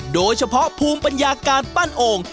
โดยเฉพาะภูมิปัญญาการปั้นโอ่ง